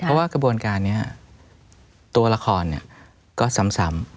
เพราะว่ากระบวนการนี้ตัวละครก็ซ้ำ